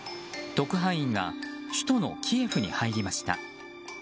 特派員が首都のキエフに入りました。